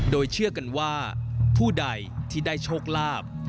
โดยเชื่อกันว่าผู้ใดที่ได้โชคลาภ